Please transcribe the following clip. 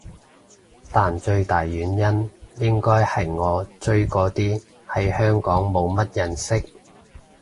但最大原因應該係我追嗰啲喺香港冇乜人識